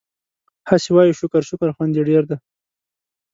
هسې وايو شکر شکر خوند يې ډېر دی